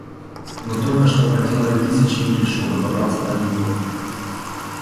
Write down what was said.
Мы только что проделали тысячи миль, чтобы добраться до Нью-Йорка.